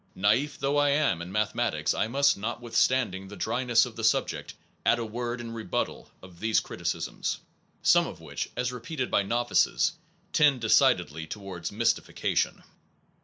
Naif though I am in mathe matics, I must, notwithstanding the dryness of the subject, add a word in rebuttal of these criticisms, some of which, as repeated by nov ices, tend decidedly towards mystification.